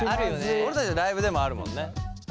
俺たちのライブでもあるもんね。